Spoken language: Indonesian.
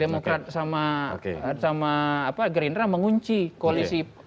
demokrat sama gerindra mengunci koalisi